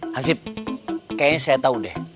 hasib kayaknya saya tau deh